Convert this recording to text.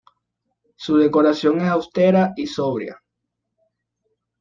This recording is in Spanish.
Su decoración es austera y sobria.